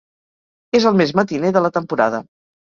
És el més matiner de la temporada.